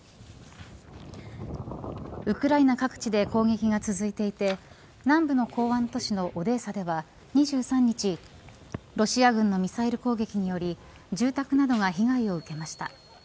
ウクライナ各地で攻撃が続いていて南部の港湾都市のオデーサでは２３日ロシア軍のミサイル攻撃により住宅などが被害を受けました。